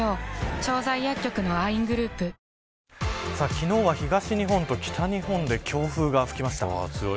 昨日は東日本と北日本で強風が吹きました。